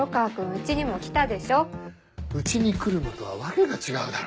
家に来るのとは訳が違うだろ。